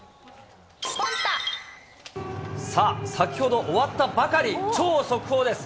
さあ、先ほど終わったばかり、超速報です。